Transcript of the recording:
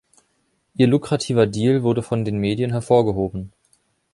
Ihr lukrativer Deal wurde von den Medien hervorgehoben.